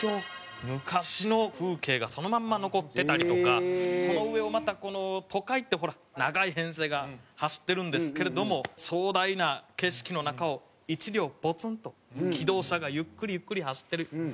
昔の風景がそのまんま残ってたりとかその上をまたこの都会ってほら長い編成が走ってるんですけれども壮大な景色の中を１両ポツンと気動車がゆっくりゆっくり走ってる。